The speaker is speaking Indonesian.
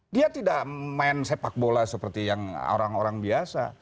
dia tidak main sepak bola seperti yang orang orang biasa